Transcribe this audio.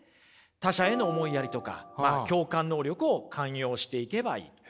他者への思いやりとか共感能力をかんようしていけばいいと。